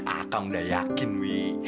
akang udah yakin wih